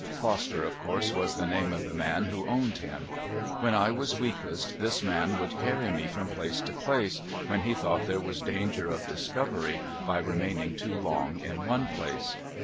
Foster, of course, was the name of the man who owned him. When I was weakest this man would carry me from place to place, when he thought there was danger of discovery by remaining too long in one place.